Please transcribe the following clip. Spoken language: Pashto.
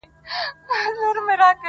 چاته يې لمنه كي څـه رانــه وړل,